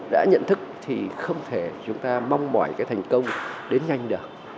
đã nhận thức thì không thể chúng ta mong mỏi cái thành công đến nhanh được